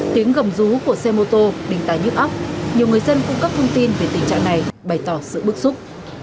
tiếng gầm rú của xe mô tô đình tài nhức óc nhiều người dân cung cấp thông tin về tình trạng này bày tỏ sự bức xúc